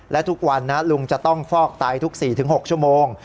และทุกวันลุงจะต้องฟอกไตทุก๔๖ชั่วโมง